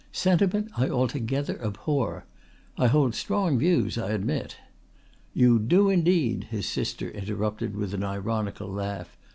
"Sentiment I altogether abhor. I hold strong views, I admit." "You do indeed," his sister interrupted with an ironical laugh.